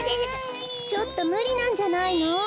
ちょっとむりなんじゃないの。